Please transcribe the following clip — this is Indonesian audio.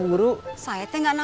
lebih penting dari